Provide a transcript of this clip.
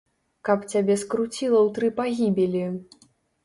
Каб цябе скруціла ў тры пагібелі!